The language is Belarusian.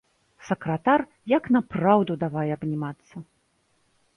Сакратар як напраўду давай абнімацца.